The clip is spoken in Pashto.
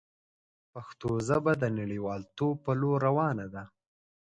پښتو ژبه د نړیوالتوب په لور روانه ده.